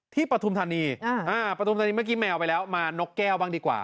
ปฐุมธานีปฐุมธานีเมื่อกี้แมวไปแล้วมานกแก้วบ้างดีกว่า